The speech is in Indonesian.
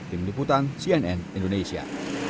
tim liputan cnn indonesia